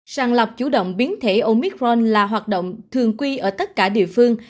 sàng lọc chủ động biến thể omicron là hoạt động thường quy ở tất cả địa phương